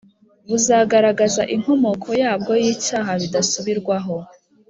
buzagaragaza inkomoko yabwo y’icyaha bidasubirwaho